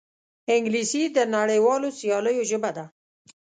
انګلیسي د نړیوالو سیالیو ژبه ده